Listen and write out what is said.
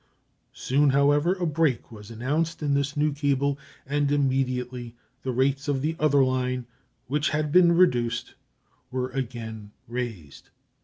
Soon, however, a break was announced in this new cable, and immediately the rates of the other line, which had been reduced, were again raised.